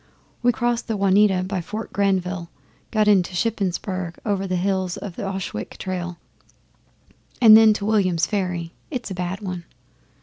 We crossed the Juniata by Fort Granville, got into Shippensberg over the hills by the Ochwick trail, and then to Williams Ferry (it's a bad one).